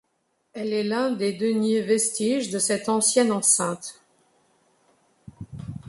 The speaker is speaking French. Elle est l'un des deniers vestiges de cette ancienne enceinte.